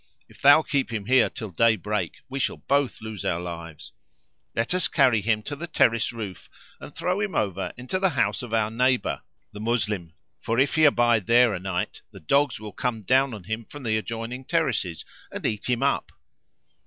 If thou keep him here till day break we shall both lose our lives. Let us two carry him to the terrace roof and throw him over into the house of our neighbour, the Moslem, for if he abide there a night the dogs will come down on him from the adjoining terraces and eat him up."